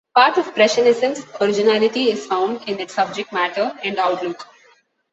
Part of precisionism's originality is found in its subject matter and outlook.